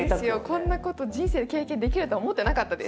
こんなこと人生で経験できると思ってなかったです。